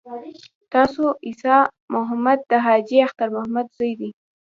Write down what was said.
تاسو عیسی محمد د حاجي اختر محمد زوی.